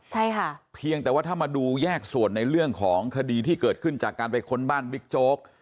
ใช่ค่ะเพียงแต่ว่าถ้ามาดูแยกส่วนในเรื่องของคดีที่เกิดขึ้นจากการไปค้นบ้านบิ๊กโจ๊ก